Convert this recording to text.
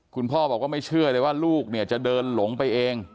คุณพ่อบอกว่าไม่เชื่อเลยว่าลูกเนี่ยจะเดินหลงไปเอง